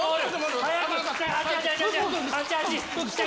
早く。